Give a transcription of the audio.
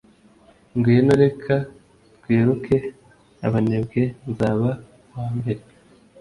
ngwino, reka twiruke, abanebwe; nzaba uwambere